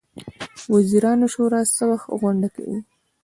د وزیرانو شورا څه وخت غونډه کوي؟